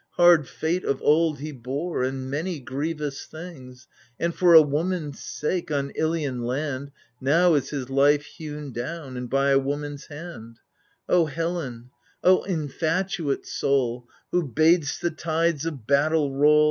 Hard fate of old he bore and many grievous things, And for a woman's sake, on Ilian land — Now is his life hewn down, and by a woman's hand O Helen, O infatuate soul, Who bad'st the tides of battle roll.